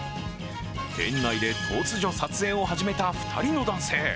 店内で突如撮影を始めた２人の男性。